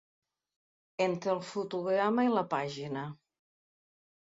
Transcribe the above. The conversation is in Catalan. Entre el fotograma i la pàgina.